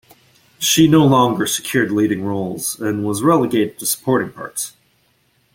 She no longer secured leading roles, and was relegated to supporting parts.